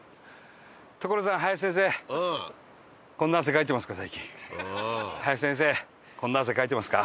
林先生こんな汗かいてますか？